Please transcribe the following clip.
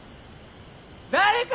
誰か！